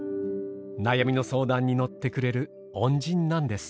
悩みの相談に乗ってくれる恩人なんです。